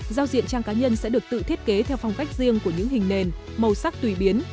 giao diện trang cá nhân sẽ được tự thiết kế theo phong cách riêng của những hình nền màu sắc tùy biến